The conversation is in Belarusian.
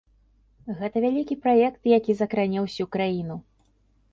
Гэта вялікі праект, які закране ўсю краіну.